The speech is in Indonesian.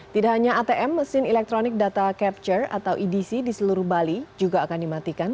tidak hanya atm mesin electronic data capture atau edc di seluruh bali juga akan dimatikan